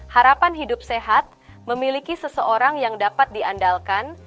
harapan hidup sehat memiliki seseorang yang dapat diandalkan